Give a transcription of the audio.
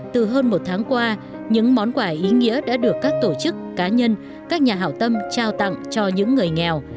từ hơn một tháng qua những món quà ý nghĩa đã được các tổ chức cá nhân các nhà hảo tâm trao tặng cho những người nghèo